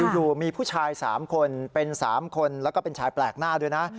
อยู่มีผู้ชาย๓คนเป็น๓คนแล้วก็เป็นชายแปลกหน้าด้วยนะ